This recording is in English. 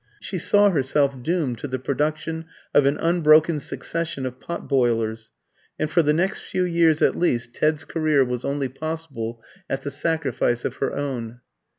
She saw herself doomed to the production of an unbroken succession of pot boilers, and for the next few years at least Ted's career was only possible at the sacrifice of her own.